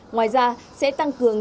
ngoài ra sẽ tăng cường